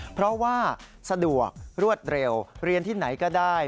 เพราะว่าสะดวกรวดเร็วเรียนที่ไหนก็ได้